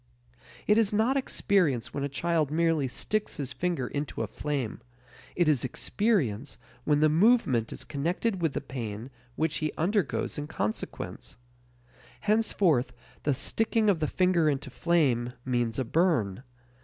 It is not experience when a child merely sticks his finger into a flame; it is experience when the movement is connected with the pain which he undergoes in consequence. Henceforth the sticking of the finger into flame means a burn.